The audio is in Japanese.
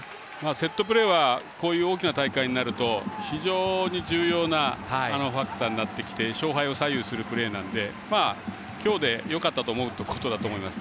セットプレーはこういう大きな大会になると非常に重要なファクターになってきて勝敗を左右するプレーなので今日でよかったと思います。